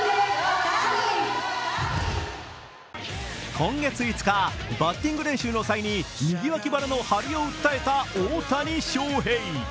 今月５日、バッティング練習の際に右脇腹の張りを訴えた大谷翔平。